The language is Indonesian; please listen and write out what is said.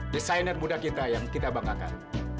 desainer muda kita yang kita banggakan